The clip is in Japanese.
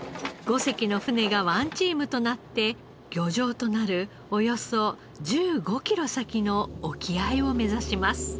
５隻の船がワンチームとなって漁場となるおよそ１５キロ先の沖合を目指します。